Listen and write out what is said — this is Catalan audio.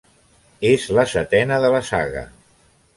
És la setena de la saga.